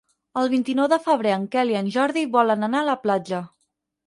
El vint-i-nou de febrer en Quel i en Jordi volen anar a la platja.